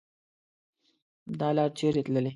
دا لار چیري تللي